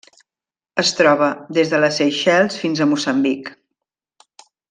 Es troba des de les Seychelles fins a Moçambic.